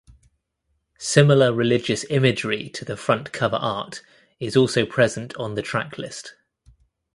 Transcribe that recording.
Similar religious imagery to the front cover art is also present on the tracklist.